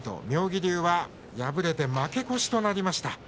妙義龍は敗れて負け越しとなりました。